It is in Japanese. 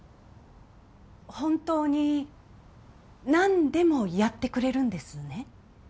本当に何でもやってくれるんですね？